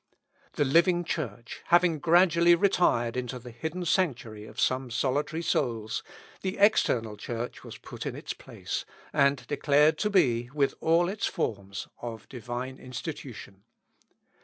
The living Church having gradually retired into the hidden sanctuary of some solitary souls, the external Church was put in its place, and declared to be, with all its forms, of divine institution.